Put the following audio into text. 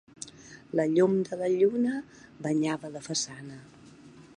La llum de la lluna banyava la façana.